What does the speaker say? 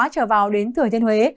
trở vào đến thừa thiên huế